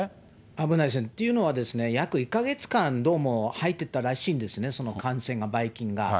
危ないです、というのは約１か月間、どうも入ってたらしいんですね、その感染が、ばい菌が。